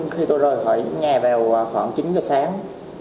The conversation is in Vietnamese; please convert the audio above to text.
khi tôi rời khỏi nhà vào khoảng chín giờ sáng